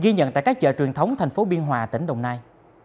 ghi nhận tại các chợ truyền thống thành phố biên hòa tỉnh đồng nai